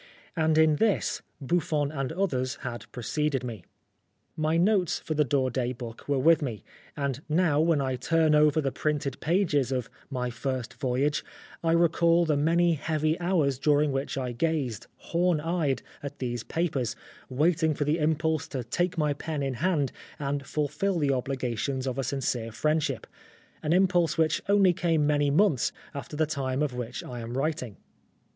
And in this, Buffon and others had preceded me. My notes for the Daudet book were with me, and now, when I turn over the printed pages of My First Voyage, I recall the many heavy hours during which I gazed, horn eyed, at these papers, waiting for the impulse to take my pen in hand and fulfil the obligations of a sincere friendship an impulse which only came many months after the time of which I am writing.